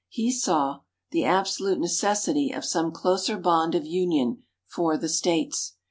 He saw ... the absolute necessity of some closer bond of Union for the States....